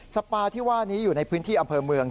สปาที่ว่านี้อยู่ในพื้นที่อำเภอเมือง